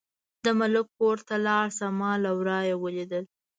د ملک کور ته لاړه شه، ما له ورايه ولیدل.